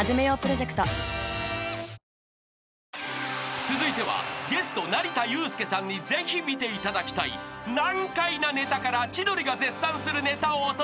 ［続いてはゲスト成田悠輔さんにぜひ見ていただきたい難解なネタから千鳥が絶賛するネタをお届け］